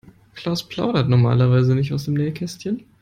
Klaus plaudert normalerweise nicht aus dem Nähkästchen.